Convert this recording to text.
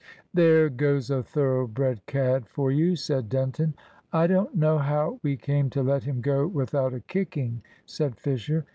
"There's goes a thoroughbred cad for you," said Denton. "I don't know how we came to let him go without a kicking," said Fisher.